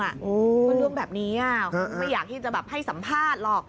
มันร่วมแบบนี้ไม่อยากให้สัมภาษณ์หรอก